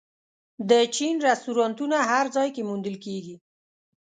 د چین رستورانتونه هر ځای کې موندل کېږي.